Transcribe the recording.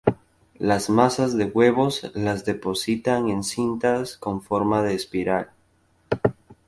Las masas de huevos las depositan en cintas con forma de espiral.